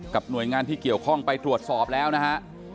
หน่วยงานที่เกี่ยวข้องไปตรวจสอบแล้วนะฮะ